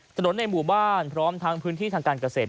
ถนนในหมู่บ้านพร้อมทั้งพื้นที่ทางการเกษตร